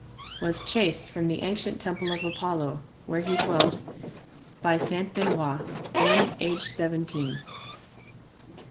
—was chased from the ancient temple of Apollo, where he dwelt, by Saint Benoît, then aged seventeen.